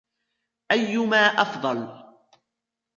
أَيُّمَا أَفْضَلُ